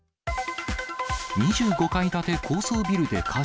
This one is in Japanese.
２５階建て高層ビルで火事。